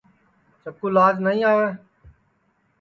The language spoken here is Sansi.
چکُو لاج نائی آوے